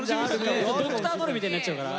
ドクター・ドレーみたいになっちゃうから。